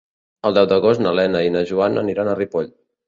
El deu d'agost na Lena i na Joana aniran a Ripoll.